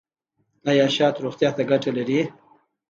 ایا شات روغتیا ته ګټه لري؟